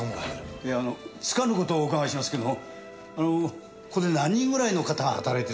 いやあのつかぬ事をお伺いしますけどもあのここで何人ぐらいの方が働いてらっしゃるんですか？